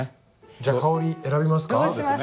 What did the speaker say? じゃ香り選びますか？